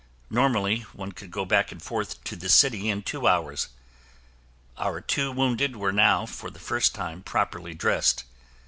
Normally, one could go back and forth to the city in two hours. Our two wounded were now, for the first time, properly dressed.